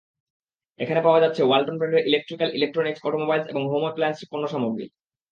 এখানে পাওয়া যাচ্ছে ওয়ালটন ব্র্যান্ডের ইলেকট্রিক্যাল, ইলেকট্রনিকস, অটোমোবাইলস এবং হোম অ্যাপ্লায়েন্স পণ্যসামগ্রী।